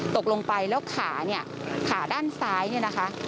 ตกลงไปแล้วขาเนี่ยขาด้านซ้ายเนี่ยนะคะ